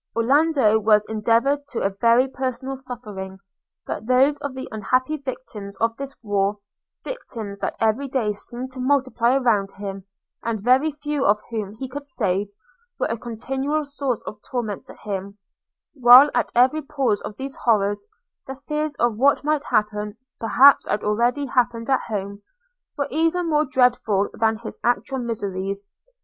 Orlando was enured to every personal suffering: but those of the unhappy victims of this war – victims that every day seemed to multiply around him, and very few of whom he could save, were a continual source of torment to him; while, at every pause of these horrors, the fears of what might happen, perhaps had already happened at home, were even more dreadful than his actual miseries.